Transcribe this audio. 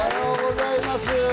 おはようございます。